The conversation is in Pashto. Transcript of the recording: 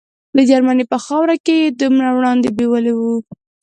د جرمني په خاوره کې یې دومره وړاندې بیولي وو.